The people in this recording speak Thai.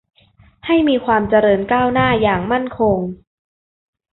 ให้มีความเจริญก้าวหน้าอย่างมั่นคง